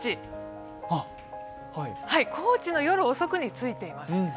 高知の夜遅くについています。